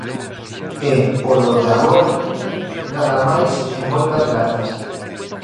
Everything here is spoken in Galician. E, polo de agora, nada máis e moitas grazas.